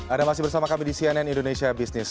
ada masih bersama kami di cnn indonesia business